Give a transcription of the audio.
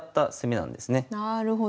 なるほど。